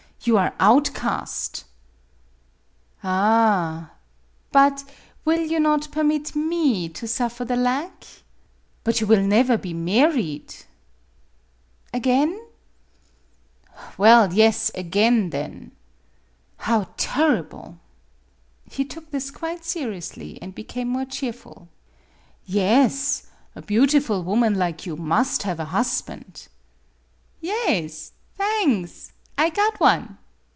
You are outcast." " Ah h h ! But will you not permit me to suffer the lack ?" MADAME BUTTERFLY 31 " But you will never be married !"" Again ?" "Well yes, again, then." "How tarrible! " He took this quite seriously, and became more cheerful. " Yes; a beautiful woman like you must have a husband." "Yaes. Thangs; I got one.